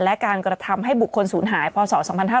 และการกระทำให้บุคคลศูนย์หายพศ๒๕๕๙